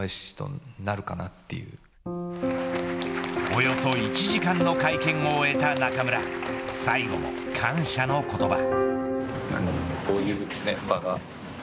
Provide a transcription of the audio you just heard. およそ１時間の会見を終えた中村最後も感謝の言葉。